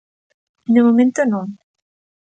De momento non.